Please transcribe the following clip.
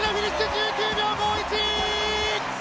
１９秒５１！